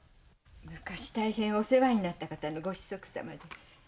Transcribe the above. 昔大変お世話になった方のご子息様で。